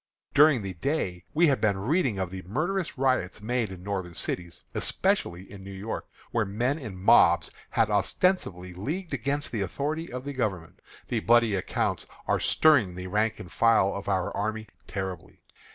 During the day we have been reading of the murderous riots made in Northern cities, especially in New York, where men in mobs have ostensibly leagued against the authority of the Government. The bloody accounts are stirring the rank and file of our army terribly.